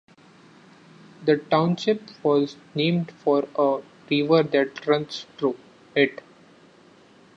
The township was named for a river that runs through it.